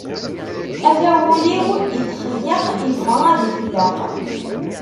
Ata wul-iw itxeyyeq, ibɣa ad ifelleq.